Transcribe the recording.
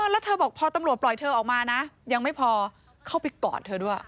แล้วเธอบอกพอตำรวจปล่อยเธอออกมานะยังไม่พอเข้าไปกอดเธอด้วย